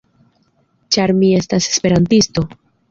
Ĉar mi estas esperantisto.